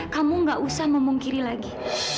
kamu gak usah memungkiri lagi